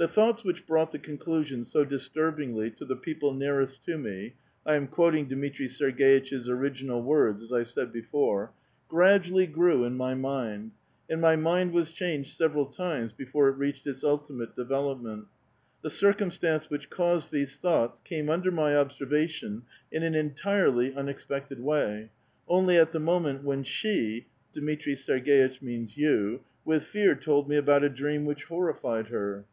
''The thoughts which brought the conclusion so disturb ing to the people nearest to me [I am quoting Dmitri Ser gei tch'^ original words, as 1 said before] gradually giew in my mind, and my mind was changed several times before it received its ultimate development. The circumstance which caused these thoughts came under my observation in an entirely unexpected way, only at the moment when she [Dmitri Serg^itch means you] with fear told me about a dream which horrified her.